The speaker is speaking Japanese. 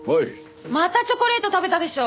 またチョコレート食べたでしょ！